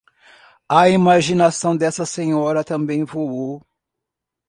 a imaginação dessa senhora também voou